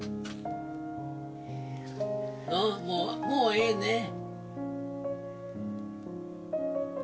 もうええね。